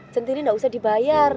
nanti ini nggak usah dibayar